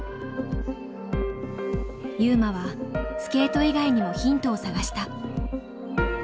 優真はスケート以外にもヒントを探した。